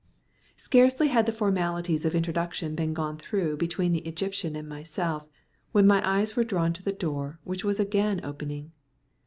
Scarcely had the formalities of introduction been gone through between the Egyptian and myself, when my eyes were drawn to the door, which was again opening.